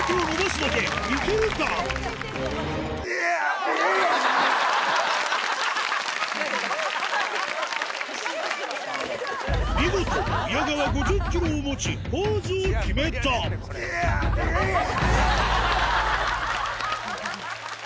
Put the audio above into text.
見事宮川５０ｋｇを持ちポーズを決めたイヤァ！